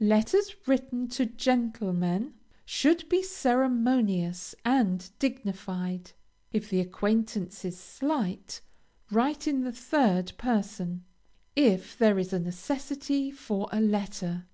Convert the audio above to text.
LETTERS WRITTEN TO GENTLEMEN should be ceremonious and dignified. If the acquaintance is slight, write in the third person, if there is a necessity for a letter.